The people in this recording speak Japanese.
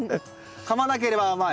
かまなければ甘い？